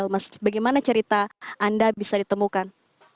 mas bagaimana cerita anda bisa ditemukan